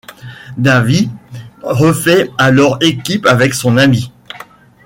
Davis refait alors équipe avec son ami.